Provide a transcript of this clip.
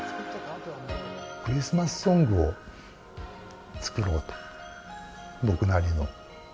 クリスマスソングを作ろうと、僕なりの。